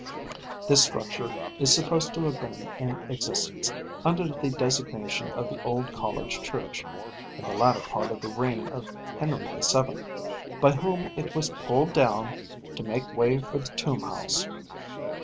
This structure is supposed to have been in existence, under the designation of the Old College Church, in the latter part of the reign of Henry the Seventh, by whom it was pulled down to make way for the tomb house.